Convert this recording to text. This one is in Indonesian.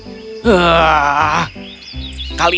bagaimana aku mendapatkan penghasilan